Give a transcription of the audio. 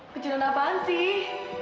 kejutan apaan sih